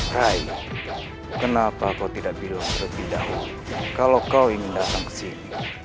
rai kenapa kau tidak bilang lebih dahulu kalau kau ingin datang kesini